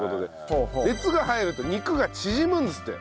熱が入ると肉が縮むんですって。